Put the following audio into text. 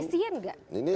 tapi senyapnya efisien gak